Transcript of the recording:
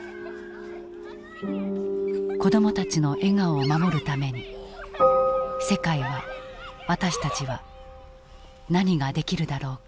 子どもたちの笑顔を守るために世界は私たちは何ができるだろうか。